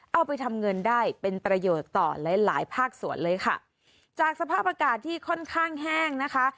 เอาไปทำเงินได้เป็นประโยชน์ต่อหลายหลายภาคส่วนเลยค่ะจากสภาพอากาศที่ค่อนข้างแห้งนะคะ